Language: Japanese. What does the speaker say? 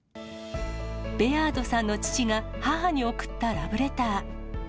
ベアードさんの父が母に送ったラブレター。